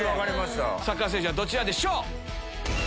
サッカー選手はどちらでしょう？